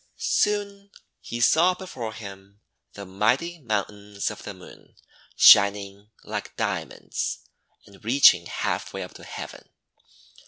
Soon he saw before him the mighty Moun tains of the Moon, shining like Diamonds, and reaching halfway up to heaven.